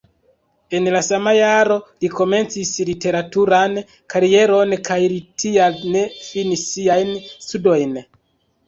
En la sama jaro li komencis literaturan karieron kaj tial ne finis siajn studojn.